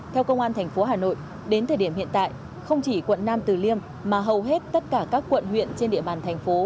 theo công an thành phố hà nội đến thời điểm hiện tại không chỉ quận nam từ liêm mà hầu hết tất cả các quận huyện trên địa bàn thành phố